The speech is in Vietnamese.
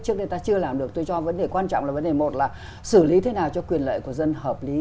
trước đây ta chưa làm được tôi cho vấn đề quan trọng là vấn đề một là xử lý thế nào cho quyền lợi của dân hợp lý